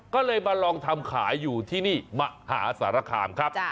ก็เลยมาลองทำขายอยู่ที่นี่มหาสารคามครับ